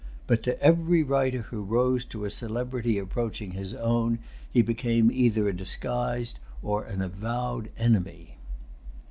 But to every writer who rose to a celebrity approaching his own, he became either a disguised or an avowed enemy.